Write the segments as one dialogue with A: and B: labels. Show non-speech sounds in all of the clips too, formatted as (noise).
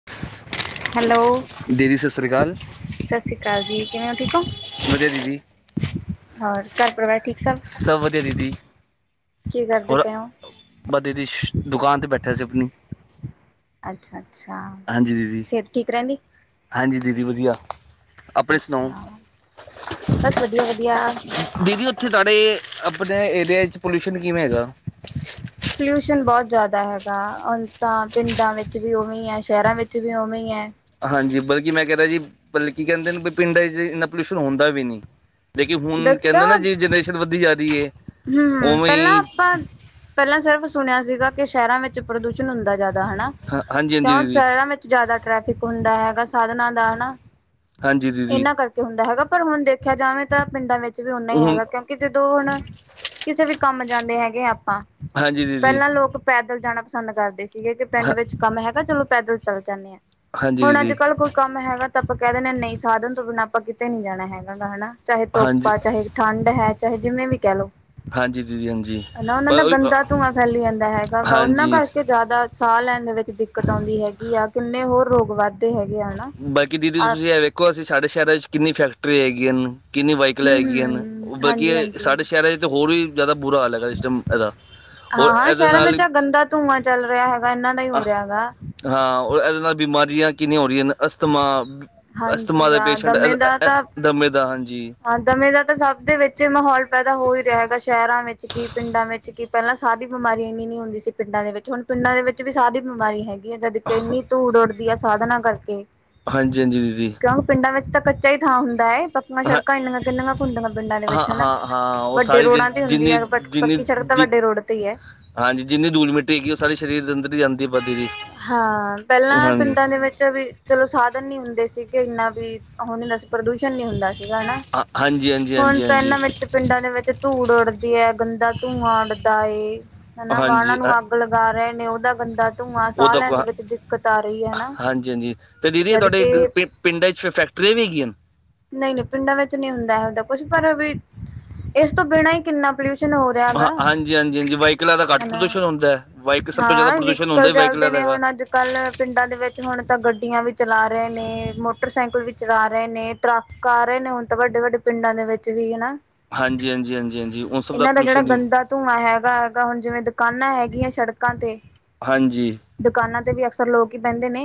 A: (inaudible) Hello
B: ਦੀਦੀ ਸਤਿ ਸ੍ਰੀ ਅਕਾਲ
A: ਸਤਿ ਸ੍ਰੀ ਅਕਾਲ ਜੀ ਕਿਵੇਂ ਹੋ ਠੀਕ ਹੋ
B: ਵਧੀਆ ਦੀਦੀ
A: ਹੋਰ ਘਰ ਪਰਿਵਾਰ ਠੀਕ ਸਭ
B: ਵਧੀਆ ਦੀਦੀ
A: ਕੀ ਕਰਦੇ ਪਏ ਹੋ
B: ਬਦੇ ਦੀ ਦੁਕਾਨ ਤੇ ਬੈਠਿਆ ਸੀ ਆਪਣੀ
A: ਅੱਛਾ ਅੱਛਾ
B: ਹਾਂਜੀ ਦੀਦੀ
A: ਸਿਹਤ ਠੀਕ ਰਹਿੰਦੀ
B: ਹਾਂਜੀ ਦੀਦੀ ਵਧੀਆ ਆਪਣੇ ਸੁਣਾਓ
A: ਅੱਛਾ ਬਸ ਵਧੀਆ ਵਧੀਆ
B: ਇੱਥੇ ਤੁਹਾਡੇ ਆਪਣੇ ਏਰੀਏ 'ਚ ਪੋਲਿਊਸ਼ਨ ਕਿਵੇਂ ਹੈਗਾ
A: ਪੋਲਿਊਸ਼ਨ ਬਹੁਤ ਜ਼ਿਆਦਾ ਹੈਗਾ ਤਾਂ ਪਿੰਡਾਂ ਵਿੱਚ ਵੀ ਉਵੇਂ ਹੈ ਸ਼ਹਿਰਾਂ ਵਿੱਚ ਵੀ ਉਵੇਂ ਹੀ ਹੈ
B: ਹਾਂਜੀ ਬਲਕਿ ਮੈਂ ਕਹਿ ਰਿਹਾ ਜੀ ਬਲਕਿ ਕਹਿੰਦੇ ਨੇ ਵੀ ਪਿੰਡਾਂ ਚ ਇੰਨਾ ਪੋਲਿਊਸ਼ਨ ਹੁੰਦਾ ਵੀ ਨਹੀਂ ਲੇਕਿਨ ਹੁਣ ਕਹਿੰਦੇ ਨਾ, ਜੇ ਜਨਰੇਸ਼ਨ ਵਧਦੀ ਜਾ ਰੀ ਏ।
A: ਹੂੰ, ਹੂੰ ਪ੍ਹੈਲਾਂ ਆਪਾਂ, ਪ੍ਹੈਲਾਂ ਸਿਰਫ ਸੁਨੇਆਂ ਸੀਗਾ ਕਿ ਸ਼ਐਰਾਂ ਵਿੱਚ ਪ੍ਰਦੂਸ਼ਨ ਹੁੰਦੈ। ਜਾਦਾ ਹਣਾ
B: ਹਾਂ ਹਾਂਜੀ ਹਾਂਜੀ
A: ਕਿਉਂ
B: ਦੀਦੀ
A: ਸ਼ਐਰਾਂ ਵਿੱਚ ਜਾਦਾ ਟ੍ਰੈਫਿਕ ਹੁੰਦਾ ਹੈਗਾ ਸਾਧਨਾਂ ਦਾ, ਹਣਾ।
B: ਹਾਂਜੀ ਦੀਦੀ।
A: ਹੁੰਦਾ ਹੈਗਾ ਪਰ ਹੁਣ ਦੇਖਿਆ ਜਾਵੇ ਤਾਂ ਪਿੰਡਾਂ ਵਿੱਚ ਵੀ ਓਨਾ ਹੀ
B: ਹੁਣ
A: ਹੈਗਾ ਕਿਉਂਕਿ ਜਦੋਂ ਹੁਣ ਕਿਸੇ ਵੀ ਕੰਮ ਜਾਂਦੇ ਹੈਗੇ ਆਪਾਂ
B: ਹਾਂਜੀ ਦੀਦੀ
A: ਪਹਿਲਾਂ ਲੋਕ ਪੈਦਲ ਜਾਣਾ ਪਸੰਦ ਕਰਦੇ ਸੀਗੇ ਕਿ ਪਿੰਡ
B: ਹਾਂ
A: ਵਿੱਚ ਕੰਮ ਹੈਗਾ ਚਲੋ ਪੈਦਲ ਚੱਲ ਜਾਂਦੇ ਆਾਂ
B: ਹਾਂਜੀ
A: ਹੁਣ ਅੱਜ
B: ਦੀਦੀ
A: ਕੱਲ ਕੋਈ ਕੰਮ ਹੈਗਾ ਤਾਂ ਆਪਾਂ ਕਹਿ ਦਿੰਦੇ ਹ ਨਹੀਂ ਸਾਧਨ ਤੋਂ ਬਿਨਾਂ ਆਪਾਂ ਕਿਤੇ ਨਹੀਂ ਜਾਣਾ ਹੈਗਾ ਗਾ ਹਨਾ ਚਾਹੇ ਧੁੱਪ
B: ਹਾਂਜੀ
A: ਹੈ ਚਾਹੇ ਠੰਢ ਹੈ ਚਾਹੇ ਜਿਵੇਂ ਵੀ ਕਹਿ ਲੋੋ
B: ਹਾਂਜੀ ਦੀਦੀ ਹਾਂਜੀ
A: ਹਨਾ ਉਹਨਾਂ ਦਾ
B: ਪਰ
A: ਗੰਦਾ ਧੂੰਆਂ ਫੈਲੀ ਜਾਂਦਾ ਹੈਗਾ ਗਾ ਉਹਨਾਂ
B: ਹਾਂਜੀ
A: ਕਰਕੇ ਜ਼ਿਆਦਾ ਸਾਹ ਲੈਣ ਦੇ ਵਿੱਚ ਦਿੱਕਤ ਆਉਂਦੀ ਹੈਗੀ ਆ ਕਿੰਨੇ ਹੋਰ ਰੋਗ ਵੱਧ
B: ਬਾਕੀ ਦੀਦੀ ਤੁਸੀਂ ਇਹ ਵੇਖੋ ਅਸੀਂ ਸਾਡੇ ਸ਼ਹਿਰਾਂ ਵਿੱਚ ਕਿੰਨੀ ਫੈਕਟਰੀਆਂ ਹੈਗੀਆਂ ਨੇ ਕਿੰਨੀ ਵਾਈਕਲਾਂ
A: ਹੂੰ
B: ਹੈਗੀਆਂ ਨੇ
A: ਹੂੰ
B: ਉਹ ਬਾਲਕੀ
A: ਹਾਂਜੀ ਹਾਂਜੀ
B: ਸਾਡੇ ਸ਼ਹਿਰ ਹੋਰ ਵੀ ਜਿਆਦਾ ਬੁਰਾ ਹਾਲ ਹੈਗਾ ਜਿਸਟਮ ਇਹਦਾ ਔਰ
A: ਹਾਂ ਹ
B: ਇਹਦੇ
A: ਸ਼ਹਿਰਾਂ
B: ਨਾਲ
A: ਵਿੱਚ ਗੰਦਾ ਧੂੰਆਂ ਚੱਲ ਰਿਹਾ ਹੈਗਾ ਇਹਨਾਂ ਦਾ ਹੀ ਹੋ ਰਿਹਾ ਹੈਗਾ
B: ਹਾਂ ਇਹਦੇ ਨਾਲ ਬਿਮਾਰੀਆਂ ਕਿੰਨ ਹੋ ਰਹੀਆਂ ਨੇ ਅਸਥਮਾ ਅਸਤਮਾ
A: ਹਾਂਜੀ
B: ਦੇ
A: ਆ
B: ਪੇਸ਼ੈਂਟ
A: ਦਮੇ ਦਾ ਤਾਂ
B: ਦਮੇ ਦਾ ਹਾਂਜੀ
A: ਹਾਂ ਦਵੇਂ ਦਾ ਤਾਂ ਸਭ ਦੇ ਵਿੱਚ ਹੀ ਮਾਹੌਲ ਪੈਦਾ ਹੋ ਹੀ ਰਿਹਾ ਹੈਗਾ ਸ਼ਹਿਰਾਂ ਵਿੱਚ ਕੀ ਪਿੰਡਾਂ ਵਿੱਚ ਕੀ ਪਹਿਲਾਂ ਸਾਹ ਦੀ ਬਿਮਾਰੀ ਇੰਨੀ ਨੀ ਹੁੰਦੀ ਸੀ ਪਿੰਡਾਂ ਦੇ ਵਿੱਚ ਹੁਣ ਪਿੰਡਾਂ ਦੇ ਵਿੱਚ ਵੀ ਸਾਹ ਦੀ ਬਿਮਾਰੀ ਹੈਗੀ ਹੈ ਜਦ ਕਿੰਨੀ ਧੂੜ ਉੱਡਦੀ ਆ ਸਾਧਨਾ ਕਰਕੇ
B: ਹਾਂਜੀ ਹਾਂਜੀ ਦੀਦੀ
A: ਕਿਉਂਕ ਪਿੰਡਾਂ ਵਿੱਚ ਤਾਂ ਕੱਚਾ ਹੀ ਥਾਂ ਹੁੰਦਾ ਹੈ ਪੱਕਾਂ
B: ਹਾਂ
A: ਛੜਕ ਕਿੰਨੀਆਂ ਕਿੰਨੀਆਂ ਖੁੰਡਾਂ ਪਿੰਡਾਂ ਦੇ
B: ਹਾਂ
A: ਵਿੱਚ ਹਨਾ
B: ਹਾਂ ਹਾਂ ਉਹ
A: ਵੱਡੇ
B: ਸਾਰੀ
A: ਰੋਡਾਂ ਤੇ
B: ਜਿਹੜੀ
A: ਹੁੰਦੀ
B: ਜਿੰਨੀ
A: ਹੈ
B: ਜਿੰਨੀ
A: ਪੱਕੀ ਸੜਕ ਤਾਂ
B: ਜਿ
A: ਵੱਡੇ ਰੋਡ ਤੇ ਹੀ ਹੈ
B: ਹਾਂਜੀ ਜਿੰਨੀ ਦੂਲ ਮਿੱਟੀ ਹੈਗੀ ਉਹ ਸਾਰੇ ਸਰੀਰ ਅੰਦਰ ਹੀ ਆਂਦੀ ਪਦੀ ਜੀ
A: ਹਾਂ ਪਹਿਲਾਂ ਪਿੰਡਾਂ ਦੇ ਵਿੱਚ ਵੀ ਚਲੋ ਸਾਧਨ ਨੀ ਹੁੰਦੇ ਸੀਗੇ ਇੰਨਾ ਵੀ ਉਹ ਨੀ ਹਦਾ ਸੀ ਪ੍ਰਦੂਸ਼ਣ ਨੀ ਹੁੰਦਾ ਸੀਗਾ ਹਨਾ
B: ਹਾਂ, ਹਾਂਜੀ ਹਾਂਜੀ
A: ਹੁਣ
B: ਹਾਂਜੀ
A: ਤਾਂ
B: ਹਾਂਜੀ
A: ਇਹਨਾਂ ਵਿੱਚ ਪਿੰਡਾਂ ਦੇ ਵਿੱਚ ਧੂੜ ਉੱਡਦੀ ਹੈ ਗੰਦਾ ਧੂੰਆਂ ਉੱਡਦਾ ਏ ਹਨਾ ਵਾਹਨਾਂ
B: ਹਾਂਜੀ
A: ਨੂੰ ਅੱਗ ਲੱਗ ਗ ਰਹੇ ਨੇ ਉਹਦਾ ਗੰਦਾ ਧੂੰਆਂ ਸਾਹ
B: ਉਦ ਕੋ
A: ਲੈਣ ਦੇ ਵਿੱਚ ਦਿੱਕਤ ਆ ਰਹੀ ਹੈ ਹਨਾ।
B: ਹਾਂਜੀ ਹਾਂਜੀ ਅਤੇ ਦੀਦੀ ਇਹ
A: ਜਦ
B: ਤੁਹਾਡੇ
A: ਕਿ
B: ਪ ਪਿੰਡਾਂ ' ਫਿਰ ਫੈਕਟਰੀਆਂ ਵੀ ਹੈਗੀਆਂ
A: ਨਹੀਂ ਨਹੀਂ ਪਿੰਡਾਂ ਵਿੱਚ ਨਹੀਂ ਹੁੰਦਾ ਹੈ ਹੁੰਦਾ ਕੁਛ ਪਰ ਵੀ ਇਸ ਤੋਂ ਬਿਨਾਂ ਹੀ ਕਿੰਨਾ ਪੋਲਿਊਸ਼ਨ ਹੋ ਰਿਹਾ ਗਾ
B: ਹਾਂ ਹਾਂਜੀ ਹਾਂਜੀ ਹਾਂਜੀ ਵਾਈਕਲਾ ਦਾ ਘੱਟ ਪ੍ਰਦੂਸ਼ਣ ਹੁੰਦਾ ਹੈ ਵਾਈਕ ਸਭ ਤੋਂ ਜ਼ਿਆਦਾ ਪ੍ਰਦੂਸ਼
A: ਨਿਕਲ ਚੱਲਦੇ ਨੇ ਹੁਣ ਅੱਜ ਕੱਲ ਪਿੰਡਾਂ ਦੇ ਵਿੱਚ ਹੁਣ ਤਾਂ ਗੱਡੀਆਂ ਵੀ ਚਲਾ ਰਹੇ ਨੇ ਮੋਟਰਸਾਈਕਲ ਵੀ ਚਲਾ ਰਹੇ ਨੇ ਟਰੱਕ ਆ ਰਹੇ ਨੇ ਹੁਣ ਤਾਂ ਵੱਡੇ ਵੱਡੇ ਪਿੰਡਾਂ ਦੇ ਵਿੱਚ ਵੀ
B: ਹਾਂਜੀ-ਹਾਂਜੀ, ਹਾਂਜੀ-ਹਾਂਜੀ, ਉ
A: ਇਹਨਾਂ ਦਾ ਜਿਹੜਾ ਗੰਦਾ ਧੂੰਆਂ ਹੈਗਾ- ਹੈਗਾ, ਹੁਣ ਜਿਵੇਂ ਦੁਕਾਨਾਂ ਹੈਗੀਆਂ ਸੜਕਾਂ ਤੇ
B: ਹਾਂਜੀ।
A: ਦੁਕਾਨਾਂ ਤੇ ਵੀ ਅਕਸਰ ਲੋਕ ਹੀ ਬਹਿੰਦੇ ਨੇ,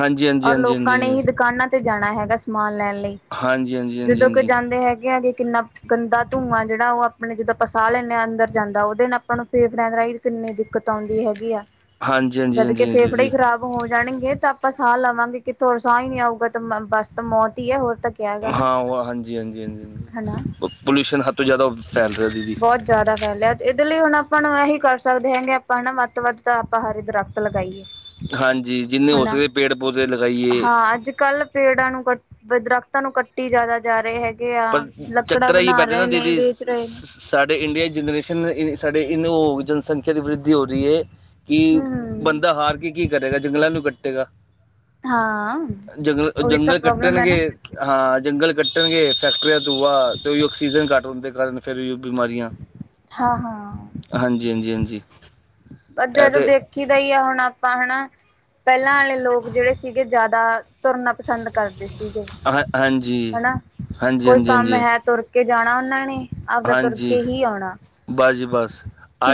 B: ਹਾਂਜੀ ਹਾਂਜੀ
A: ਔਰ
B: ਹਾਂਜੀ
A: ਲੋਕਾਂ
B: ਹਾਂਜੀ
A: ਨੇ ਹੀ ਦੁਕਾਨਾਂ ਦੇ ਜਾਣਾ ਹੈਗਾ ਸਮਾਨ ਲੈਣ ਲਈ।
B: ਹਾਂਜੀ ਹਾਂਜੀ ਹਾਂਜੀ
A: ਜਦੋਂ ਕੋਈ
B: ਹਾਂਜੀ
A: ਜਾਂਦੇ ਹੈਗੇ ਆ ਜੀ ਕਿੰਨਾ ਗੰਦਾ ਧੂੰਆਂ ਜਿਹੜਾ, ਉਹ ਆਪ ਆਪਣੇ ਜਦੋਂ ਆਪਾਂ ਸਾਹ ਲੈਂਦੇ ਹਾਂ, ਅੰਦਰ ਜਾਂਦਾ ਉਹਦੇ ਨਾਲ ਆਪਾਂ ਨੂੰ ਫੇਫੜਿਆਂ ਦੇ ਰਾਹੀਂ ਕਿੰਨੀ ਦਿੱਕਤ ਆਉਂਦੀ ਹੈਗੀ ਆ।
B: ਹਾਂਜੀ ਹਾਂਜੀ
A: ਜਦ ਕੇ
B: ਹਾਂਜੀ ਹਾਂਜੀ
A: ਫੇਫੜੇ ਹੀ
B: ਦੀਦੀ
A: ਖ਼ਰਾਬ ਹੋ ਜਾਣਗੀਆਂ ਤਾਂ ਆਪਾਂ ਸਾਹ ਲਵਾਂਗੇ ਕਿੱਥੋਂ ਹੋਰ ਸਾਹ ਹੀ ਨਹੀਂ ਆਊਗਾ, ਤਾਂ ਮਾ ਬਸ ਤਾਂ ਮੌਤ ਹੀ ਹੈ ਹੋਰ ਤਾਂ ਕਿਆ ਹੈਗਾ ਨਾ
B: ਹਾਂ, ਉਹ
A: ਹਨਾ
B: ਹਾਂਜੀ-ਹਾਂਜੀ-ਹਾਂਜੀ-ਹਾਂਜੀ। ਪੋਲਿਊਸ਼ਨ ਹੱਦ ਤੋਂ ਜ਼ਿਆਦਾ ਫੈਲ ਰਿਹਾ ਦੀਦੀ।
A: ਬਹੁਤ ਜ਼ਿਆਦਾ ਫੈਲਿਆ। ਇਹਦੇ ਲਈ ਹੁਣ ਆਪਾਂ ਨੂੰ ਇਹੀ ਕਰ ਸਕਦੇ ਹੈਗੇ ਆਪਾਂ ਹੈਨਾ ਵੱਧ ਤੋਂ ਵੱਧ ਤਾਂ ਆਪਾਂ ਹਰੇ ਦਰਖਤ ਲਗਾਈਏ।
B: ਹਾਂਜੀ, ਜਿੰਨੇ ਹੋ
A: ਹਨਾ
B: ਸਕਦੇ ਪੇੜ ਪੌਦੇ ਲਗਾਈਏ।
A: ਹਾਂ ਅੱਜ ਕੱਲ ਪੇੜਾਂ ਨੂੰ ਕੱਟ ਦਰਖਤਾਂ ਨੂੰ ਕੱਟੀ ਜ਼ਿਆਦਾ ਜਾ ਰਹੇ ਹੈਗੇ ਗੇ ਆ
B: ਪਰ
A: ਲੱਕੜਾ
B: ਚੱਕਰ ਇਹੀ
A: ਬਣਾ
B: ਬੈਠੇ ਨਾ
A: ਰਹੇ ਨੇ
B: ਦੀਦੀ
A: ਵੀ
B: ਸਾਡੇ ਇੰਡੀਆਨ ਦੀ ਜਨਰੇਸ਼ਨ ਸਾਨੂੰ ਜਨਸੰਖਿਆ ਦੀ ਵਰੱਧੀ ਹੋ ਰਹੀ ਹੈ ਕਿ
A: ਹਮ
B: ਬੰਦਾ ਹਾਰ ਕੇ ਕੀ ਕਰੇਗਾ ਜੰਗਲਾਂ ਨੂੰ ਕੱਟੇਗਾ
A: ਹਾਂ
B: ਜਦੋਂ
A: ਉਹੀ ਤਾਂ
B: ਜੰਗਲ
A: ਪ੍ਰੋਬਲਮ ਹੈ
B: ਕੱਟਣਗੇ
A: ਨਾ
B: ਹਾਂ ਜੰਗਲ ਕੱਟਣਗੇ, ਫੈਕਟਰੀਆਂ ਤੋਂ ਧੂੰਆਂ, ਤੇ ਉਹੀ ਆਕਸੀਜਨ ਘੱਟ ਹੋਣ ਦੇ ਕਾਰਨ ਫਿਰ ਓਹੀਓ ਬਿਮਾਰੀਆਂ।
A: ਹਾਂ ਹਾਂ
B: ਹਾਂਜੀ-ਹਾਂਜੀ-ਹਾਂਜੀ
A: ਅ ਜਦੋਂ ਦੇਖੀ ਦਾ ਹੀ ਆ ਹੁਣ ਆਪਾਂ ਹੈਨਾ, ਪਹਿਲਾਂ ਵਾਲੇ ਲੋਕ ਜਿਹੜੇ ਸੀਗੇ ਜ਼ਿਆਦਾ ਤੁਰਨਾ ਪਸੰਦ ਕਰਦੇ ਸੀਗੇ,
B: ਹਾਂ ਹਾਂਜੀ
A: ਹੈਨਾ।
B: ਹਾਂਜੀ
A: ਕੋਈ
B: ਹਾਂਜੀ
A: ਕੰਮ
B: ਹਾਂਜੀ
A: ਹੈ ਤੁਰ ਕੇ ਜਾਣਾ ਉਹਨਾਂ ਨੇ ਆਪਦਾ ਤੁਰ ਕੇ
B: ਹਾਂਜੀ
A: ਹੀ ਆਉਣਾ।
B: ਬਸ ਜੀ ਬਸ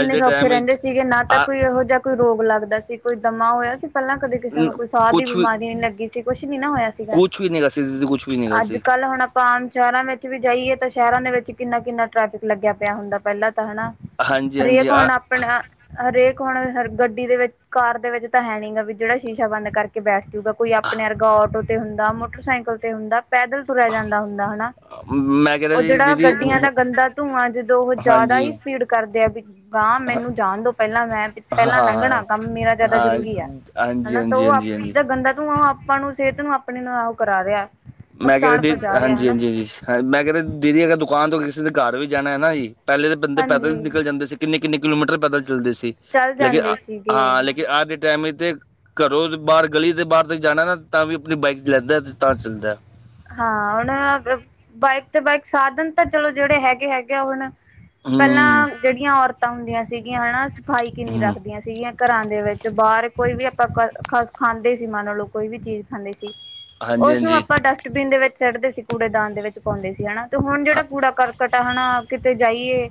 B: ਅੱਜ ਦੇ ਟਾਈਮ
A: ਸੌਖੇ
B: ਵਿੱਚ
A: ਰਹਿੰਦੇ ਸੀਗੇ ਨਾ ਤਾਂ
B: ਆ
A: ਕੋਈ ਇਹੋ ਜਿਹਾ ਕੋਈ ਰੋਗ ਲੱਗਦਾ ਸੀ, ਕੋਈ ਦਮਾ ਹੋਇਆ ਸੀ ਪਹਿਲਾਂ ਕਦੇ ਕਿਸੇ ਨੂੰ, ਕੋਈ ਸਾਹ ਦੀ
B: ਕੁਛ ਵੀ
A: ਬਿਮਾਰੀ ਨੀ ਲੱਗੀ ਸੀ। ਕੁਛ ਨੀ ਨਾ ਹੋਇਆ ਸੀਗਾ?
B: ਕੁਛ ਵੀ ਨਹੀਂ ਗਾ ਸੀ ਦੀਦੀ ਕੁਛ ਵੀ ਨਹੀਂ ਗਾ
A: ਅੱਜ
B: ਸੀ
A: ਕੱਲ ਹੁਣ ਆਮ ਸ਼ਹਿਰਾਂ ਵਿੱਚ ਵੀ ਜਾਈਏ ਤਾਂ ਸ਼ਹਿਰਾਂ ਦੇ ਵਿੱਚ ਕਿੰਨਾ-ਕਿੰਨਾ ਟਰੈਫਿਕ ਲੱਗਿਆ ਪਿਆ ਹੁੰਦਾ ਪਹਿਲਾਂ ਤਾਂ, ਹੈਨਾ।
B: ਹਾਂਜੀ ਹਾਂਜੀ
A: ਹਰੇਕ
B: ਆ
A: ਹੁਣ ਆਪਣਾ, ਹਰੇਕ ਹੁਣ ਅ ਗੱਡੀ ਦੇ ਵਿੱਚ ਕਾਰ ਦੇ ਵਿੱਚ ਤਾਂ ਹੈ ਨੀ ਗਾ ਬਈ ਜਿਹੜਾ ਸ਼ੀਸ਼ਾ ਬੰਦ ਕਰਕੇ ਬੈਠ ਜੂਗਾ। ਕੋਈ ਆਪਣੇ ਵਰਗਾ ਆਟੋ ਤੇ ਹੁੰਦਾ, ਮੋਟਰਸਾਈਕਲ ਲ ਤੇ ਹੁੰਦਾ, ਪੈਦਲ ਤੁਰਿਆ ਜਾਂਦਾ ਹੁੰਦਾ, ਹੈਨਾ।
B: ਮੈਂ ਕਹਿ ਰਿਹਾ
A: ਉਹ
B: ਜੀ
A: ਜਿਹੜਾ
B: ਦੀਦੀ
A: ਗੱਡੀਆਂ
B: ਹੁ-
A: ਦਾ ਗੰਦਾ ਧੂੰਆਂ, ਜਦੋਂ ਉਹ ਜ਼ਿਆਦਾ
B: ਹਾਂਜੀ
A: ਹੀ ਸਪੀਡ ਕਰਦੇ ਆ ਵੀ, ਗਾਂ
B: ਹਾਂ
A: ਮੈਨੂੰ ਜਾਣ ਦੋ। ਪਹਿਲਾਂ, ਮੈਂ
B: ਹਾਂ
A: ਪਹਿਲਾਂ
B: ਹਾਂ
A: ਲੰਘਣਾ,
B: ਹਾਂ,
A: ਕੰਮ ਮੇਰਾ ਜ਼ਿਆਦਾ ਜ਼ਰੂਰੀ ਹੈ,
B: ਹਾਂਜੀ ਹਾਂਜੀ
A: ਹੈਨਾ। ਤਾਂ ਉਹ ਆਪ
B: ਹਾਂਜੀ ਹਾਂਜੀ
A: ਜੈ ਗੰਦਾ ਧੂੰਆਂ ਉਹ ਆਪਾਂ ਨੂੰ, ਸਿਹਤ ਨੂੰ ਆਪਣੇ ਨਾਲ ਕਰਾ ਰਿਹੈ।
B: ਮੈਂ ਕਹਿ ਰਿਹਾ ਸੀ, ਹਾਂਜੀ-ਹਾਂਜੀ-ਹਾਂਜੀ ਹੈ, ਮੈਂ ਕਿਹ ਰਿਹਾ ਦੀਦੀ, ਅਗਰ ਦੁਕਾਨ ਤੋਂ ਕਿਸੇ ਦੇ ਘਰ ਵੀ ਜਾਣਾ ਹੈ ਨਾ ਜੀ, ਪਹਿਲੇ ਤਾਂ ਬੰਦੇ
A: ਹਾਂਜੀ
B: ਪੈਦਲ ਨਿਕਲ ਜਾਂਦੇ ਸੀ ਕਿੰਨੇ-ਕਿੰਨੇ ਕਿਲੋਮੀਟਰ ਪੈਦਲ ਚੱਲਦੇ ਸੀ,
A: ਚੱਲ
B: ਲੇਕਿਨ
A: ਜਾਂਦੇ ਸੀਗੇ
B: ਹਾਂ ਲੇਕਿਨ ਅੱਜ ਦੇ ਟਾਈਮ ਇਚ ਤੇ ਘਰੋਂ ਬਾਹਰ, ਗਲੀ ਦੇ ਬਾਹਰ ਤੱਕ ਜਾਣਾ ਨਾ ਤਾਂ ਵੀ ਆਪਣੀ ਬਾਈਕ ਚ ਲੈਂਦਾ ਤੇ ਤਾਂ ਚੱਲਦਾ।
A: ਹਾਂ, ਹੁਣ ਬਾਈਕ ਤੇ ਬਾਈਕ ਸਾਧਨ ਤਾਂ ਚਲੋ ਜਿਹੜੇ ਹੈਗੇ-ਹੈਗੇ ਆ ਹੁਣ
B: ਹੂੰ
A: ਪਹਿਲਾਂ ਜਿਹੜੀਆਂ ਔਰਤਾਂ ਹੁੰਦੀਆਂ ਸੀਗੀਆਂ ਹੈਨਾ, ਸਫ਼ਾਈ ਕਿੰਨੀ
B: ਹੂੰ
A: ਰੱਖਦੀਆਂ ਸੀਗੀਆਂ। ਘਰਾਂ ਦੇ ਵਿੱਚ, ਬਾਹਰ। ਕੋਈ ਵੀ ਆਪਾਂ ਕੱਲ ਖਸ ਖਾਂਦੇ ਸੀ, ਮਨ ਲਓ ਕੋਈ ਵੀ ਚੀਜ਼ ਖਾਂਦੇ ਸੀ
B: ਹਾਂਜੀ
A: ਉਸਨੂੰ
B: ਹਾਂਜੀ
A: ਆਪਾਂ ਡਸਟਬਿਨ ਦੇ ਵਿੱਚ ਸੱਟਦੇ ਸੀ, ਕੂੜੇ ਦਾਨ ਦੇ ਵਿੱਚ ਪਾਉਂਦੇ ਸੀ, ਹੈਨਾ। ਤੇ ਹੁਣ ਜਿਹੜਾ
B: ਹਾਂ-
A: ਕੂੜਾ ਕਰਕਟ ਆ ਹੈਨਾ, ਕਿਥੇ ਜਾਈਏ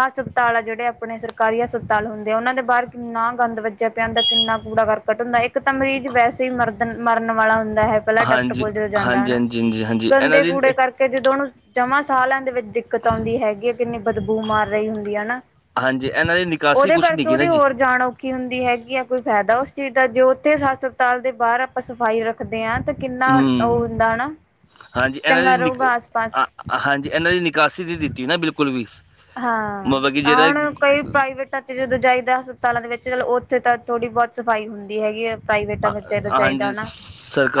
A: ਹਸਪਤਾਲ ਆ ਜਿਹੜੇ, ਆਪਣੇ ਸਰਕਾਰੀ ਹਸਪਤਾਲ ਹੁੰਦੇ ਆ ਉਹਨਾਂ ਦੇ ਬਾਹਰ ਕਿੰਨਾ ਗੰਦ ਵੱਜਿਆ ਪਿਆ ਹੁੰਦਾ, ਕਿੰਨਾ ਕੂੜਾ ਕਰ ਕਟ ਹੁੰਦਾ, ਇੱਕ ਤਾਂ ਮਰੀਜ਼ ਵੈਸੇ ਹੀ ਮਰਦ ਮਰਨ ਵਾਲਾ ਹੁੰਦਾ ਹੈ, ਪਹਿਲਾਂ ਡਾਕਟਰ
B: ਹਾਂਜੀ
A: ਕੋਲ ਜਦੋਂ ਜਾਂਦਾ ਹੈਨਾ।
B: (inaudible)
A: ਗੰਦੇ
B: ਦੀ
A: ਕੂੜੇ ਕਰਕੇ ਜਦੋਂ ਉਹਨੂੰ ਜਮਾਂ ਸਾਹ ਲੈਣ ਦੇ ਵਿੱਚ ਦਿੱਕ ਦਿੱਕਤ ਆਉਂਦੀ ਹੈਗੀ, ਕਿੰਨੀ ਬਦਬੂ ਮਾਰ ਰਹੀ ਹੁੰਦੀ ਹੈ, ਹੈਨਾ।
B: ਹਾਂਜੀ ਇਹਨਾਂ ਦੀ ਨਿਕਾਸੀ
A: ਉਹਦੇ
B: ਕੁਛ ਨਹੀਂ
A: ਕਰਕੇ
B: ਗੀ ਨਾ
A: ਉਹਦੀ
B: ਜੀ
A: ਹੋਰ ਜਾਣ ਰੱਖੀ ਹੁੰਦੀ ਹੈਗੀ ਆ, ਕੋਈ ਫ਼ਾਇਦਾ ਉਸ ਚੀਜ਼ ਦਾ। ਜੋ ਉੱਥੇ ਹਸਪਤਾਲ ਦੇ ਬਾਹਰ ਆਪਾਂ ਸਫ਼ਾਈ ਰੱਖ ਰਦੇ ਹਾਂ ਤੇ ਕਿੰਨਾ ਉਹ
B: ਹੂੰ,
A: ਹੁੰਦਾ ਹੈਨਾ,
B: ਹਾਂਜੀ ਇਹਨਾਂ
A: ਚੰਗਾ
B: ਦੀ ਨਿਕ
A: ਰਹੁਗਾ ਆਸ-ਪਾਸ।
B: ਅ ਹਾਂਜੀ ਇਹਨਾਂ ਦੀ ਨਿਕਾਸੀ ਦੀ ਦਿੱਤੀ ਨਾ ਬਿਲਕੁਲ ਵੀ
A: ਹਾਂ
B: ਮਤਲਬ ਕਿ ਜਿਹੜਾ
A: ਹੁਣ ਕਈ ਪ੍ਰਾਈਵੇਟ ਚ ਜਦੋਂ ਜਾਈਦਾ ਹਸਪਤਾਲਾਂ ਦੇ ਵਿੱਚ ਚਲੋ ਉੱਥੇ ਤਾਂ ਥੋੜ੍ਹੀ ਬਹੁਤ ਸਫ਼ਾਈ ਹੁੰਦੀ ਹੈਗੀ ਹੈ ਪ੍ਰਾਈਵੇਟਾਂ ਵਿੱਚ ਚਾਹੀਦਾ
B: ਹਾਂਜੀ
A: ਹਨਾ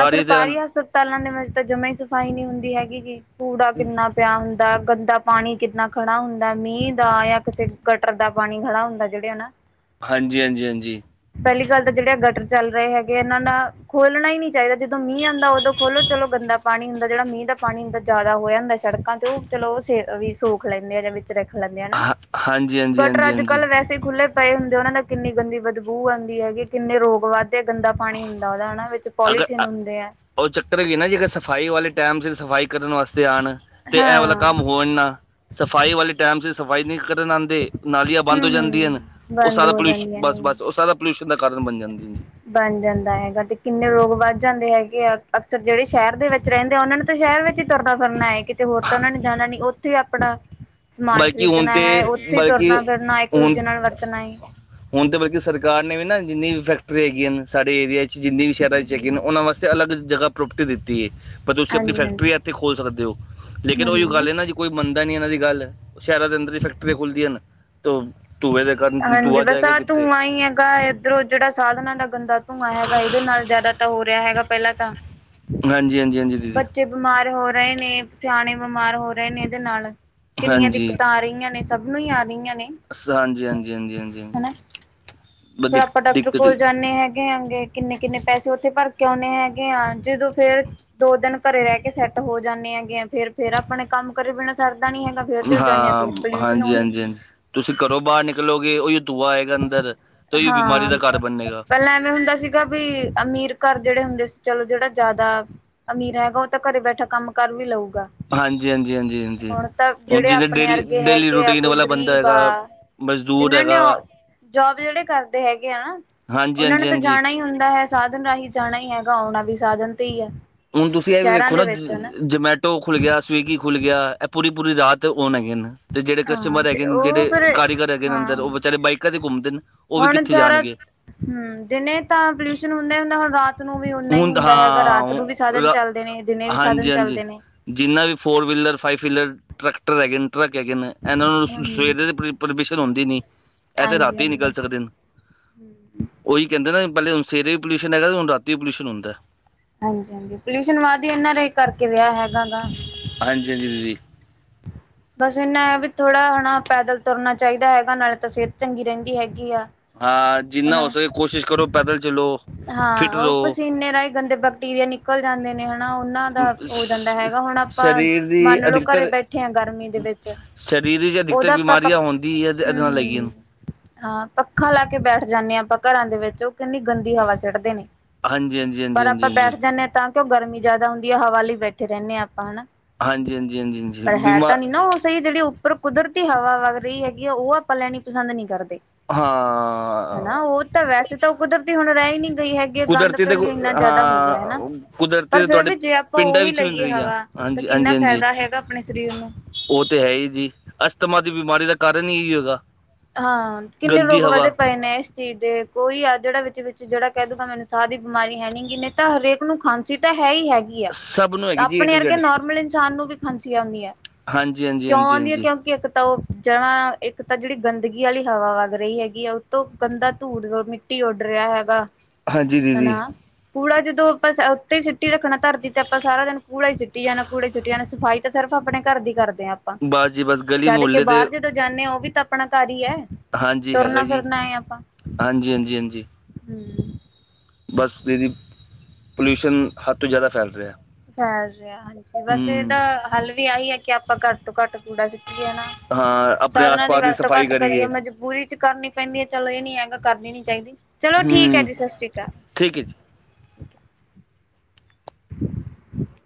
A: ਆ
B: ਦੇ
A: ਸਰਕਾਰੀ ਹਸਪ ਤਾਲਾਂ ਦੇ ਵਿੱਚ ਤਾਂ ਜਮਾ ਹੀ ਸਫ਼ਾਈ ਨਹੀਂ ਹੁੰਦੀ ਹੈਗੀ ਕੂੜਾ ਕਿੰਨਾ ਪਿਆ ਹੁੰਦਾ ਗੰਦਾ ਪਾਣੀ ਕਿੰਨਾ ਖੜਾ ਹੁੰਦਾ ਮੀਂਹ ਦਾ ਜਾਂ ਕਿਸੇ ਗਟਰ ਦਾ ਪਾਣੀ ਖੜਾ ਹੁੰਦਾ ਜਿਹੜੇ ਨਾ
B: ਹਾਂਜੀ ਹਾਂਜੀ ਹਾਂਜੀ
A: ਪਹਿਲੀ ਗੱਲ ਤਾਂ ਜਿਹੜੇ ਆ ਗਟਰ ਚੱਲ ਰਹੇ ਹੈਗੇ ਇਹਨਾਂ ਦਾ ਖੋਲਣਾ ਹੀ ਨੀ ਚਾਹੀਦਾ ਜਦੋਂ ਮੀਂਹ ਆਉਂਦਾ ਉਦੋਂ ਖੋਲੋ ਚਲੋ ਗੰਦਾ ਪਾਣੀ ਹੁੰਦਾ ਜਿਹੜਾ ਮੀਂਹ ਦਾ ਪਾਣੀ ਹੁੰਦਾ ਜਿਆਦਾ ਹੋਇਆ ਹੁੰਦਾ ਸੜਕਾਂ ਤੇ ਚਲੋ ਸ ਵੀ ਸੂਖ ਲੈਂਦੇ ਆ ਜਵੇ ਰ ਲੈਂਦੇ ਆ ਨਾ
B: ਹਾਂ ਹਾਂਜੀ ਹਾਂਜੀ
A: ਗਟਰ
B: ਹਾਂਜੀ
A: ਅੱਜ
B: ਹਾਂਜੀ
A: ਕੱਲ ਵੈਸੇ ਖੁੱਲ੍ਹੇ ਪਏ ਹੁੰਦੇ ਆ, ਉਹਨਾਂ ਦੇ ਕਿੰਨੀ ਗੰਦੀ ਬਦਬੂ ਆਉਂਦੀ ਹੈਗੀ, ਕਿੰਨੇ ਰੋਗ ਵੱਧਦੇ ਆ, ਗੰਦਾ ਪਾਣੀ ਹੁੰਦਾ ਉਨ੍ਹਾ ਵਿੱਚ
B: ਅਗਰ
A: ਪੋਲੀਥੀਨ ਹੁੰਦੇ ਆ।
B: ਉਹ ਚੱਕਰ ਵੀ ਏ ਨਾ ਜੀ, ਜੇ ਸਫ਼ਾਈ ਵਾਲੇ ਟਾਈਮ ਸੇਰ ਸਫ਼ਾਈ ਕਰਨ ਵਾਸਤੇ ਆਉਣ, ਤੇ ਇਹ ਵਾਲਾ
A: ਹਾਂ
B: ਕੰਮ ਹੋ ਆਨਾ, ਸਫ਼ਾਈ ਵਾਲੇ ਟਾਈਮ ਸੇਰ ਸਫ਼ਾਈ ਨਹੀਂ ਕਰਨ ਆਂਦ ਦੇ ਨਾਲੀਆਂ ਬੰਦ
A: ਹੂੰ
B: ਹੋ ਜਾਂਦੀਆਂ
A: ਹੂੰ
B: ਉਹ
A: ਬੰਦ
B: ਸਾਰਾ
A: ਹੋ
B: ਪੋਲਿਊਸ਼ਨ
A: ਜਾਂਦੀਆਂ
B: ਬਸ
A: ਨੇ
B: ਬਸ ਉਹ ਸਾਰਾ ਪੋਲਿਊਸ਼ਨ ਦਾ ਕਾਰਨ ਬਣ ਜਾਂਦੀ ਹੈ ਜੀ
A: ਬਣ ਜਾਂਦਾ ਹੈਗਾ ਤੇ ਕਿੰਨੇ ਲੋਕ ਵੱਧ ਜਾਂਦੇ ਹੈਗੇ ਆ ਅਕਸਰ ਜਿਹੜੇ ਸ਼ਹਿਰ ਦੇ ਵਿੱਚ ਰਹਿੰਦੇ ਆ ਉਹਨਾਂ ਨੂੰ ਤਾਂ ਸ਼ਹਿਰ ਵਿੱਚ ਹੀ ਤੁਰਨਾ- ਫਿਰਨਾ ਹੈਏ ਕਿਤੇ ਹੋਰ ਤਾਂ ਉਹਨਾਂ ਨੇ ਜਾਣਾ ਨੀ। ਉੱਥੇ ਹੀ ਆਪਣਾ ਸਮਾਨ
B: ਬਲਕਿ ਹੁਣ
A: ਖਰੀਦਣਾ
B: ਤੇ
A: ਹੈ ਉੱਥੇ
B: ਬਲਕਿ
A: ਤੁਰਨਾ- ਫਿਰਨਾ ਇੱਕ-
B: ਹੁਣ
A: ਦੂਜੇ ਨਾਲ ਵਰਤਣਾ।
B: ਹੁਣ ਤੇ ਬਲਕਿ ਸਰਕਾਰ ਨੇ ਵੀ ਨਾ ਜਿੰਨੀ ਵੀ ਫੈਕਟਰੀਆਂ ਹੈਗੀਆਂ ਨੇ ਸਾਡੇ ਏਰੀਆ ਚ' ਜਿੰਨੇ ਵੀ ਸ਼ਹਿਰਾਂ ਵਿੱਚ ਹੈਗੇ ਨੇ ਉਹਨਾਂ ਵਾਸਤੇ ਅਲੱਗ੍ ਪ੍ਰੋਪਟੀ ਦਿੱਤੀ ਹੈ। ਪਰ ਤੁਸੀਂ ਆਪਣੀ
A: ਹਾਂਜੀ ਹਾਂਜੀ
B: ਫੈਕਟਰੀ ਹੈ ਇੱਥੇ ਖੋਲ੍ਹ ਸਕਦੇ ਹੋ। ਲੇਕਿਨ
A: ਹੂੰ
B: ਉਹ ਜ ਗੱਲ
A: ਹੂੰ
B: ਇਹ ਨਾ ਜੀ ਕੋਈ ਮੰਨਦਾ ਨਹੀਂ ਇਹਨਾਂ ਦੀ ਗੱਲ। ਸ਼ਹਿਰਾਂ ਦੇ ਅੰਦਰ ਹੀ ਫੈਕਟਰੀਆਂ ਖੁੱਲਦੀਆਂ ਨੇ। ਧੂੰਏ ਦੇ ਕਾਰਨ
A: ਹਾਂਜੀ।
B: ਧੂਆ
A: ਬਸ
B: ਜਾਏਗਾ
A: ਆਹ
B: ਕਿੱਥੇ
A: ਧੂੰਆਂ ਹੇਗਾ ਆ। ਇਧਰੋਂ ਜਿਹੜਾ ਸਾਧਨਾਂ ਦਾ ਗੰਦਾ ਧੂੰਆਂ ਹੈਗਾ ਇਹਦੇ ਨਾਲ ਜ਼ਿਆਦਾ ਤਾਂ ਹੋ ਰਿਹਾ ਹੈਗਾ। ਪਹਿਲਾਂ ਤਾਂ
B: ਹਾਂਜੀ- ਹਾਂਜੀ -ਹਾਂਜੀ। ਦੀਦੀ
A: ਬੱਚੇ ਬਿਮਾਰ ਹੋ ਰਹੇ ਨੇ, ਸਿਆਣੇ ਬਿਮਾਰ ਹੋ ਰਹੇ ਨੇ ਇਹਦੇ ਨਾਲ। ਕਿੰਨੀਆਂ
B: ਹਾਂਜੀ
A: ਦਿੱਕਤਾਂ ਆ ਰਹੀਆਂ ਨੇ, ਸਭ ਨੂੰ ਹੀ ਆ ਰਹੀਆਂ ਨੇ।
B: ਹਾਂਜੀ -ਹਾਂਜੀ -ਹਾਂਜੀ- ਹਾਂਜੀ- ਹ।
A: ਫੇਰ ਆਪਾਂ ਡਾਕਟਰ ਕੋਲ ਜਾਂਦੇ ਹੈ। ਗੇ ਹੈਗੇ। ਕਿੰਨੇ- ਕਿੰਨੇ ਪੈਸੇ ਉੱਥੇ ਭਰ ਕੇ ਆਉਂਣੇ ਹੈਗੇ ਆ। ਜਦੋਂ ਫੇਰ ਦੋ ਦਿਨ ਘਰੇ ਰਹਿ ਕੇ ਸੈੱਟ ਹੋ ਜਾਂਦੇ ਹੈਗੇ। ਫੇਰ- ਫੇਰ ਆਪਣੇ ਕੰਮ ਕਰੇ ਬਿਨਾਂ ਸਰਦਾ ਨੀ ਹੈਗਾ। ਫੇਰ ਜੋ ਜਾਂਦੇ ਆ
B: ਹਾਂ
A: ਫੇਰ ਪੋਲਿਊਸ਼ਨ
B: ਹਾਂਜੀ
A: ਉਹੀ
B: ਹਾਂਜੀ ਹਾਂਜੀ ਤੁਸੀਂ ਕਰੋ ਬਾਹਰ ਨਿਕਲੋਗੇ ਉਹੀਓ ਤੂਆ ਆਏਗਾ ਅੰਦਰ। ਤੇ ਉਹੀ ਬਿਮਾਰੀ ਦਾ ਘਰ ਬੰਨੇਗਾ।
A: ਪਾਂ ਐਵੇਂ ਹੁੰਦਾ ਸੀ। ਗਾ ਵੀ ਅਮੀਰ ਘਰ ਜਿਹੜੇ ਹੁੰਦੇ ਸੀ। ਚਲੋ, ਜਿਹੜਾ ਜ਼ਿਆਦਾ ਅਮੀਰ ਹੈਗਾ। ਉਹ ਤਾਂ ਘਰੇ ਬੈਠਾ ਕੰਮ ਕਰ ਵੀ ਲਊਗਾ।
B: ਹਾਂਜੀ -ਹਾਂਜੀ -ਹਾਂਜੀ -ਹਾਂਜੀ
A: ਹੁਣ ਤਾਂ
B: ਹੁਣ
A: ਜਿਹੜੇ
B: ਜਿਵੇੇ
A: ਆਪਣੇ
B: ਡੇਲੀ,
A: ਅਰਗੇ
B: ਡੇਲੀ
A: ਹੈਗੇ ਆ
B: ਰੂਟੀਨ
A: ਕੋਈ
B: ਵਾਲਾ ਬੰਦਾ
A: ਗ਼ਰੀਬ
B: ਹੈਗਾ।
A: ਆ
B: ਮਜ਼ਦੂਰ
A: ਜਿਨਾਂ ਨੇ
B: ਹੈਗਾ।
A: ਜੋਬ ਜਿਹੜੇ ਕਰਦੇ ਹੈਗੇ ਆ ਨਾ।
B: ਹਾਂਜੀ
A: ਉਹਨਾਂ
B: ਹਾਂਜੀ
A: ਨੂੰ ਤਾਂ
B: ਹਾਂਜੀ
A: ਜਾਣਾ ਹੀ ਹੁੰਦਾ ਹੈ। ਸਾਧਨ ਰਾਹੀਂ ਜਾਣਾ ਹੀ ਹੈਗਾ। ਆਉਣਾ ਵੀ ਸਾਧਨ ਤੇ ਹੀ ਹੈ।
B: ਹੁਣ ਤੁਸੀਂ ਇਹ ਵੀ
A: ਸ਼ਹਿਰਾਂ
B: ਵੇਖੋ
A: ਦੇ
B: ਨਾ।
A: ਵਿੱਚ ਹਨਾ
B: ਜਮੈਟੋ ਹੋ ਖੁੱਲ ਗਿਆ। ਸਵੀਗੀ ਖੁੱਲ ਗਿਆ। ਇਹ ਪੂਰੀ- ਪੂਰੀ ਰਾਤ ਓਨ ਹੈਗੇ ਹਨ। ਤੇ ਜਿੜੇ
A: ਹਾਂ
B: ਕਸਟਮਰ
A: ਤੇ
B: ਹੈਗੇ।
A: ਉਹ
B: ਜਿਹੜੇ
A: ਫਿਰ
B: ਕਾਰੀਗਰ ਹੈਗੇ ਨੇ ਅੰਦਰ
A: ਹਾਂ
B: ਉਹ ਵਿਚਾਰੇ ਬਾਈਕਾਂ ਤੇ ਘੁੰਮਦੇ ਨੇ। ਉਹ ਵੀ
A: ਹੁਣ
B: ਕਿੱਥੇ ਜਾਵੇ।
A: ਸਾਰਾ ਹਮ। ਦਿਨੇ ਤਾਂ ਪੋਲਿਊਸ਼ਨ ਹੁੰਦਾ- ਹੁੰਦਾ ਹੁਣ ਰਾਤ ਰਾਤ ਨੂੰ ਵੀ ਓਨਾ ਹੀ
B: ਹੁਣ
A: ਹੁੰਦਾ ਹੈਗਾ। ਰਾਤ
B: ਹਾਂ
A: ਨੂੰ ਵੀ ਸਾਧਨ
B: ਰਾ
A: ਚੱਲਦੇ ਨੇ, ਦਿਨੇ ਵੀ ਸਾਧਨ
B: ਹਾਂਜੀ ਹਾਂਜੀ
A: ਚੱਲਦੇ ਨੇ।
B: ਜਿੰਨਾ ਵੀ four wheeler, five wheeler tractor ਹੈਗੇ ਨੇ, ਟਰੱਕ ਹੈਗੇ ਨੇ। ਇਹਨਾਂ ਨੂੰ
A: ਹਮ ਹਮ
B: ਸਵੇਰੇ ਦੇ ਪਰਮਿਸ਼ਨ ਆਉੰਦੀ ਨਹੀ। ਇਹ ਤਾਂ
A: ਹਾਂਜੀ
B: ਰਾਤੀ
A: ਹਾਂਜੀ
B: ਨਿਕਲ
A: ਹਾਂਜੀ
B: ਸਕਦੇ। ਉਹੀ ਕਹਿੰਦੇ ਨਾ। ਪਹਿਲੇ ਹੁਣ ਸਵੇਰੇ ਵੀ ਪੋਲਿਊਸ਼ਨ ਹੈਗਾ, ਹੁਣ ਰਾਤੀ ਹੀ ਪੋਲਿਊਸ਼ਨ ਹੁੰਦਾ।
A: ਹਾਂਜੀ- ਹਾਂਜੀ ਪੋਲਿਊਸ਼ਨ ਵੱਧ ਹੀ ਇਹਨਾਂ ਰ ਕਰਕੇ ਵਿਆਹ ਹੈਗਾ ਗਾ।
B: ਹਾਂਜੀ -ਹਾਂਜੀ ਦੀਦੀ
A: ਬਸ ਇੰਨਾ ਹੈ ਵੀ ਥੋੜ੍ਹਾ ਹੈਣਾ ਪੈਦਲ ਤੁਰਨਾ ਚਾਹੀਦਾ ਹੈਗਾ ਨਾਲੇ ਤਾਂ ਸਿਹਤ ਚੰਗੀ ਰਹਿੰਦੀ ਹੈਗੀ ਆ।
B: ਹਾਂ ਜਿੰਨਾ ਹੋ
A: ਹਾਂ।
B: ਸਕੇ ਕੋਸ਼ਿਸ਼ ਕਰੋ ਪੈਦਲ ਚਲੋ ਫਿਟ
A: ਉਹ
B: ਰਹੋ
A: ਪਸੀਨੇ ਰਾਹੀਂ ਗੰਦੇ ਬੱਕ ਕਿਵੇ ਨਿਕਲ ਜਾਂਦੇ ਨੇ ਹਨਾ। ਉਹਨਾਂ ਦਾ ਹੋ ਜਾਂਦਾ
B: ਸ-
A: ਹੈਗਾ। ਹੁਣ, ਆਪਾਂ
B: ਸਰੀਰ ਦੀ
A: ਮੰਨ ਲਓ ਘਰੇ
B: ਅਧਿਕਤਰ
A: ਬੈਠੇ ਹਾਂ। ਗਰਮੀ ਦੇ ਵਿੱਚ,
B: ਸਰੀਰ ਵਿੱਚ ਅਧਿਕਤਰ
A: ਉਹਦਾ ਆਪਾਂ -ਪ
B: ਬਿਮਾਰੀਆਂ ਹੁੰਦੀ ਹੈ ਤੇ ਇਹਦੇ
A: ਹਮ-
B: ਨਾਲ ਲੱਗੀ
A: ਹਮ ਹ।
B: ਨੂੰ
A: ਹਾਂ। ਪੱਖਾ ਲਾ ਕੇ ਬੈਠ ਜਾਂਦੇ ਹਾਂ ਆਪਾਂ ਘਰਾਂ ਦੇ ਵਿੱਚ ਉਹ ਕਿੰਨੀ ਗੰਦੀ ਹਵਾ ਸਟਦੇ ਨੇ।
B: ਹਾਂਜੀ ਹਾਂਜੀ ਹਾਂਜੀ
A: ਪਰ
B: ਹਾਂਜੀ
A: ਆਪਾਂ ਬੈਠ
B: ਹਾਂਜੀ
A: ਜਾਂਦੇ ਹਾਂ ਤਾਂ ਕਿ ਉਹ ਗਰਮੀ ਜ਼ਿਆਦਾ ਹੁੰਦੀ ਹੈ ਹਵਾ ਲਈ ਬੈਠੇ ਰਹਿੰਦੇ ਹਾਂ। ਆਪਾਂ ਹਨਾ।
B: ਹਾਂਜੀ- ਹਾਂਜੀ -ਹਾਂਜੀ- ਹਾਂਜੀ
A: ਪਰ ਹੈ
B: ਬੀਮਾ
A: ਤਾਂ ਨੀ ਨਾ ਸਹੀ ਜਿਹੜੀ ਉੱਪਰ ਕੁਦਰਤੀ ਹਵਾ ਵਗ ਰਹੀ ਹੈਗੀ ਆ ਉਹ ਆਪਾਂ ਲੈਣੀ ਪਸੰਦ ਨਹੀਂ ਕਰਦੇ।
B: ਹਾਂ
A: ਹਨਾ। ਉਹ ਤਾਂ ਵੈਸੇ ਤਾਂ ਉਹ ਕੁਦਰਤੀ ਹੁਣ ਰਹਿ ਨਹੀਂ ਗਈ ਹੈਗੀ। ਗੰਦ
B: ਕੁਦਰਤੀ ਤੇ
A: ਪਹਿਲ
B: ਕੁ-
A: ਇੰਨਾ ਜ਼ਿਆਦਾ ਹੋ ਗਿਆ ਹਨਾ।
B: ਹਾਂ ਕੁਦਰਤੀ
A: ਪਰ
B: ਤੇ
A: ਫੇਰ
B: ਤੁਹਾਡੇ
A: ਵੀ ਜੇ ਆਪਾਂ
B: ਪਿੰਡਾਂ
A: ਉਹੀ
B: ਵਿੱਚ ਮਿਲ
A: ਲਈਏ
B: ਰਹੀ ਆ
A: ਹਵਾ ਤਾਂ
B: ਹਾਂਜੀ ਹਾਂਜੀ
A: ਕਿੰਨਾ
B: ਹਾਂਜੀ
A: ਫਾਇਦਾ ਹੈਗਾ। ਆਪਣੇ ਸਰੀਰ ਨੂੰ
B: ਉਹ ਤੇ ਹੈ ਹੀ ਜੀ। ਅਸਥਮਾ ਦੀ ਬਿਮਾਰੀ ਦਾ ਕਾਰਨ ਹੀ ਇਹੀ ਹੋਗਾ।
A: ਹਾਂ। ਕਿੰਨੇ
B: ਗੰਦੀ
A: ਲੋਕ ਵਧੇ
B: ਹਵਾ
A: ਪਏ ਨੇ ਇਸ ਚੀਜ਼ ਦੇ ਕੋਈ ਆ ਜਿਹੜਾ ਵਿੱਚ ਜਿਹੜਾ ਕਹਿ ਦੂਗਾ ਮੈਨੂੰ ਸਾਹ ਦੀ ਬਿਮਾਰੀ ਹੈ ਨਹੀਂ ਗੀ ਨੇ ਤਾਂ ਹਰੇਕ ਨੂੰ ਖਾਂਸੀ ਤਾਂ ਹੈ ਹੀ ਹੈਗੀ।
B: ਸਭ ਨੂੰ ਹੈਗੀ ਜੀ ਏ
A: ਆਪਣੇ
B: ਟੂ
A: ਵਰਗੇ
B: ਜੈਡ
A: ਨੋਰਮਲ ਇਨਸਾਨ ਨੂੰ ਵੀ ਖਾਂਸੀ ਆਉਂਦੀਆਂ।
B: ਹਾਂਜੀ ਹਾਂਜੀ
A: ਕਿਉਂ
B: ਹਾਂਜੀ
A: ਆਉਂਦੀਆਂ
B: ਹਾਂਜੀ
A: ਕਿਉਂਕਿ ਇੱਕ ਤਾਂ ਉਹ ਜੜ੍ਹਾਂ ਇੱਕ ਤਾਂ ਜਿਹੜੀ ਗੰਦਗੀ ਵਾਲੀ ਹਵਾ ਵੱਗ ਰਹੀ ਹੈਗੀ ਆ ਉੱਤੋਂ ਗੰਦਾ ਧੂੜ ਮਿੱਟੀ ਉੱਡ ਰਿਹਾ ਹੈਗਾ
B: ਹਾਂਜੀ ਦੀਦੀ
A: ਹਨਾ ਕੂੜਾ ਜਦੋਂ ਆਪਾਂ ਉੱਤੇ ਹੀ ਸੁਿੱੱਟੀ ਰੱਖਣਾ ਧਰਦੀ ਤੇ ਆਪਾਂ ਸਾਰਾ ਦਿਨ ਕੂੜਾ ਹੀ ਸੁਿੱਟੀ ਜਾਣਾ ਕੂੜੇ ਸੁਿੱਟੀ ਜਾਣਾ ਸਫਾਈ ਸਿਰਫ ਆਪਣੇ ਘਰ ਦੀ ਕਰਦੇ ਹਾਂ ਆਪਾਂ
B: ਬਸ ਜੀ ਬਸ ਗਲੀ
A: ਜਦ ਕਿ
B: ਮੁਹੱਲੇ ਤੇ
A: ਬਾਹਰ ਜਦੋਂ ਜਾਂਦੇ ਹਾਂ ਉਹ ਵੀ ਤਾਂ ਆਪਣਾ ਘਰ ਹੈ
B: ਹਾਂਜੀ ਹੈਗਾ
A: ਤੁਰਨਾ
B: ਜੀ
A: ਫਿਰਨਾ ਆਪਾਂ
B: ਹਾਂਜੀ ਹਾਂਜੀ ਹਾਂਜੀ
A: ਹੂ
B: ਬਸ ਇਹਦੀ ਪੋਲਿਊਸ਼ਨ ਹੱਦ ਤੋਂ ਜ਼ਿਆਦਾ ਫੈਲ ਰਿਹਾ
A: ਫੈਲ ਰਿਹਾ ਹਾਂਜੀ ਬਸ
B: ਹਮ
A: ਇਹਦਾ ਹੱਲ ਵੀ ਆਹੀ ਹੈ ਕਿ ਆਪਾਂ ਘੱਟ ਤੋਂ ਘੱਟ ਕੂੜਾ ਸੁਟੀਏ ਨਾ
B: ਹਾਂ ਆਪਣੇ ਆਸ
A: ਸਾਧਨਾਂ ਦੀ
B: ਪਾਸ
A: ਵਰਤੋਂ
B: ਸਫਾਈ
A: ਘੱਟ ਕਰੀਏ ਮ ਬੂਰੀ ਚ ਕਰਨੀ ਪੈਂਦੀ ਹੈ ਚਲੋ ਇਹ ਨੀ ਹੈਗਾ ਕਰਨੀ ਨੀ ਚਾਹੀਦੀ ਚਲੋ
B: ਹੂ
A: ਠੀਕ ਹੈ ਜੀ ਸਤਿ ਸ਼੍ਰੀ ਅਕਾਲ
B: ਠੀਕ ਹੈ ਜੀ
A: (inaudible)